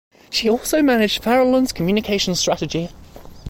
She also managed Farallon's communication strategy.